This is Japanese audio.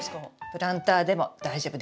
プランターでも大丈夫。